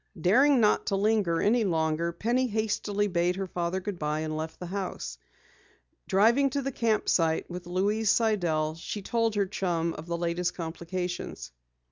Daring not to linger any longer, Penny hastily bade her father goodbye and left the house. Driving to the camp site with Louise Sidell, she told her chum of the latest complications.